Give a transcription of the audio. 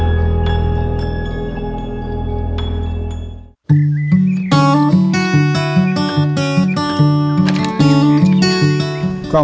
ก็มีลูกชายอยู่คนหนึ่ง